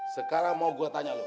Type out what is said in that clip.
sekarang mau tanya lo